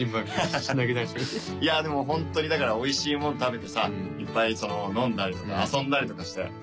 いやでもホントにだからおいしいもの食べてさいっぱい飲んだりとか遊んだりとかして。